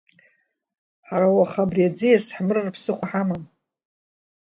Ҳара уаха абри аӡиас ҳмырыр ԥсыхәа ҳамам…